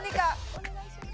お願いします。